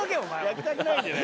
焼きたくないんだよね。